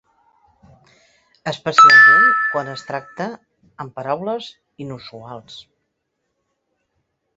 Especialment quan es tracta amb paraules inusuals.